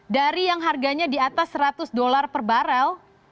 dari yang harganya di atas seratus dolar per barel